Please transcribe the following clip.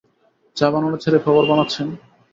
চা বানানো ছেড়ে খবর বানাচ্ছেন?